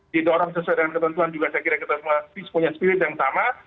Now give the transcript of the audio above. didorong sesuai dengan ketentuan juga saya kira kita semua punya spirit yang sama